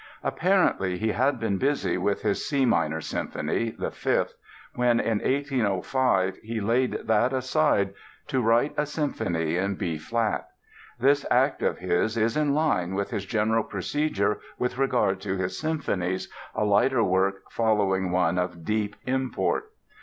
Apparently he had been busy with his C minor Symphony (the Fifth) when in 1805 he laid that aside to write a symphony in B flat. This act of his is in line with his general procedure with regard to his symphonies, a lighter work following one of deep import.